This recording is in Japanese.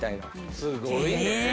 すごいね。